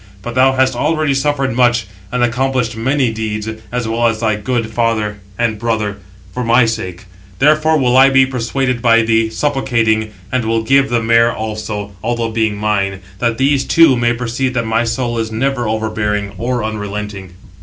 But thou hast already suffered much, and accomplished many deeds, as well as thy good father and brother, for my sake: therefore will I be persuaded by thee, supplicating, and will give the mare also, although being mine; that these too may perceive that my soul is never overbearing or unrelenting."